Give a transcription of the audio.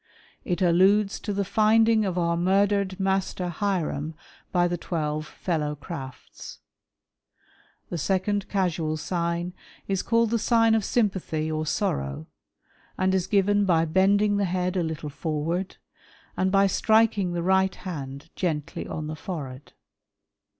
"It alludes to the finding of our murdered Master Hiram by the " twelve Fellow Crafts. The second casual sign is called the " sign of sympathy or sorrow, and is given by bending the head " a little forward, and by striking the right hand gently on the '' forehead.